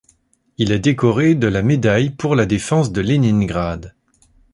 Il est décoré de la médaille pour la Défense de Léningrad.